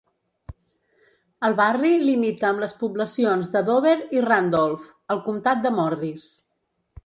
El barri limita amb les poblacions de Dover i Randolph, al comtat de Morris.